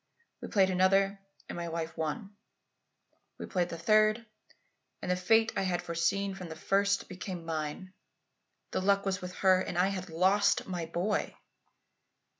We played another and my wife won. We played the third and the fate I had foreseen from the first became mine. The luck was with her, and I had lost my boy!"